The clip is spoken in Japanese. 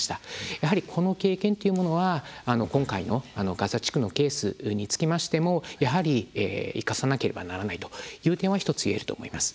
やはり、この経験っていうものは今回のガザ地区のケースにつきましてもやはり、生かさなければならないという点は１ついえると思います。